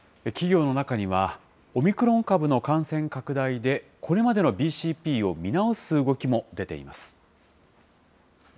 企業の中には、オミクロン株の感染拡大で、これまでのＢＣＰを見直す動きも出ています。